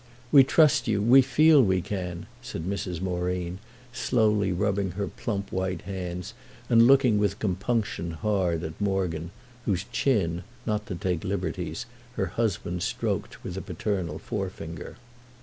"We trust you—we feel we can," said Mrs. Moreen, slowly rubbing her plump white hands and looking with compunction hard at Morgan, whose chin, not to take liberties, her husband stroked with a paternal forefinger.